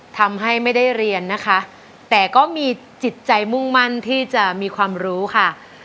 ทำให้ไม่ได้เรียนนะคะแต่ก็มีจิตใจมุ่งมั่นที่จะมีความรู้ค่ะ